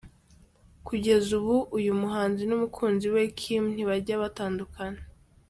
Kugeza ubu, uyu muhanzi n’umukunzi we Kim ntibajya batandukana.